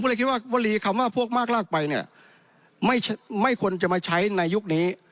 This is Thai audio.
ก็เลยคิดว่าวลีคำว่าพวกมากลากไปเนี่ยไม่ควรจะมาใช้ในยุคนี้